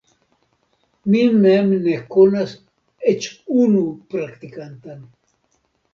Mi mem ne konas eĉ unu praktikantan.